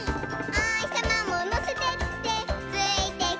「おひさまものせてってついてくるよ」